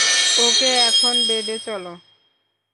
ওকে এখন বেডে চলো।